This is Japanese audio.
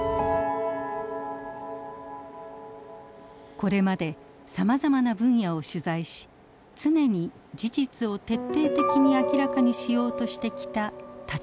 これまでさまざまな分野を取材し常に事実を徹底的に明らかにしようとしてきた立花さん。